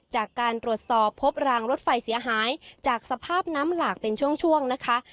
จากการตรวจสอบพบรางรถไฟเสียหายจากสภาพน้ำหลากเป็นช่วงนะคะ